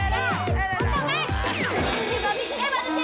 tinggal bantuan gue dulu